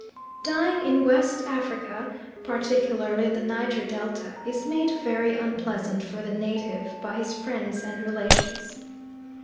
Dying in West Africa particularly in the Niger Delta, is made very unpleasant for the native by his friends and relations.